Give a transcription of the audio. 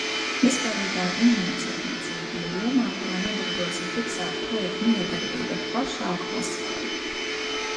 Vispārīgā inženierceltniecība ir jomā, kurā nodarbojas ar fiksētu projektu mijiedarbību ar plašāku pasauli.